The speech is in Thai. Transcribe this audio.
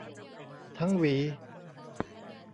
ทั้งหวี